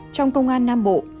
trong công an nam bộ